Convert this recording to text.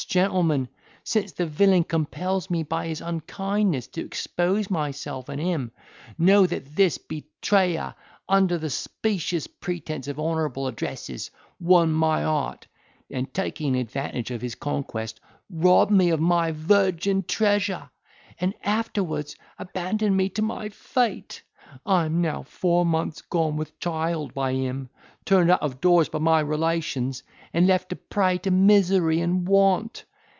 gentlemen, since the villain compels me by his unkindness, to expose myself and him, know that this betrayer, under the specious pretence of honourable addresses, won my heart, and taking advantage of his conquest, robbed me of my virgin treasure, and afterwards abandoned me to my fate! I am now four months gone with child by him, turned out of doors by my relations, and left a prey to misery and want!